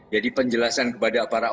jadi penjelasan kepada para orang